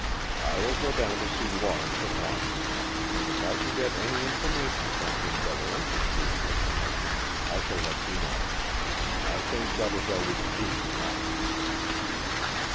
I will go down to see Lawrence at once, and if I can get any information from him that will interest you in this connection, I shall let you know. I think that is all that we can do to night."